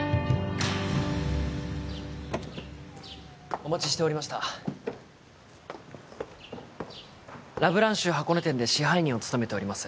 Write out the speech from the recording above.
お待ちしておりましたラ・ブランシュ箱根店で支配人を務めております